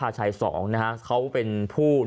ฟังเสียงคนที่ไปรับของกันหน่อย